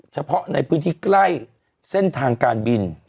เฉพาะในพื้นที่ใกล้เส้นทางการบิน